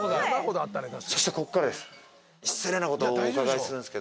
そしてこっからです。